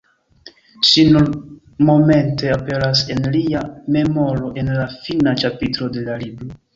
Ŝi nur momente aperas en lia memoro, en la fina ĉapitro de la libro.